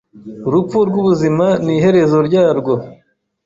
urupfu rwubuzima ni iherezo ryarwo!